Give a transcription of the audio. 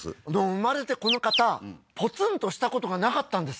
生まれてこの方ポツンとしたことがなかったんです